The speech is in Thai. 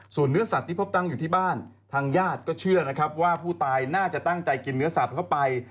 ส่วนเนื้อสัตว์ที่พบตั้งอยู่ที่บ้านทางญาติก็เชื่อนะครับว่าผู้ตายน่าจะตั้งใจกินเนื้อสัตว์เข้าไป